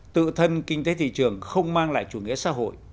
tự thân kinh tế thị trường không mang lại chủ nghĩa xã hội